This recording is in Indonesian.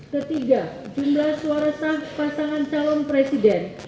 ketiga jumlah suara sah pasangan calon presiden